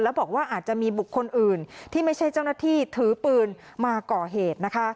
แล้วบอกว่าอาจจะมีบุคคลอื่นที่ไม่ใช่เจ้าหน้าที่ถือปืนมาก่อเหตุนะคะ